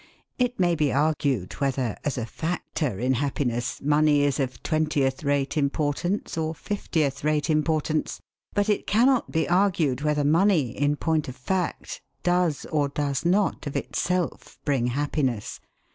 It may be argued whether, as a factor in happiness, money is of twentieth rate importance or fiftieth rate importance. But it cannot be argued whether money, in point of fact, does or does not of itself bring happiness.